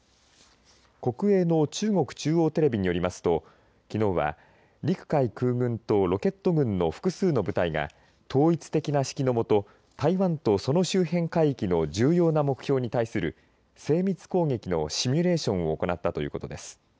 国営の中国中央テレビによりますときのうは陸海空軍とロケット軍の複数の部隊が統一的な指揮のもと台湾とその周辺海域の重要な目標に対する精密攻撃のシミュレーションを行ったということです。